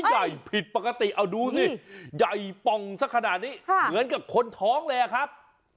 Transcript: ยายผิดปกติเอาดูสิยายป่องสักขนาดนี้ค่ะเหมือนกับคนท้องแหละครับ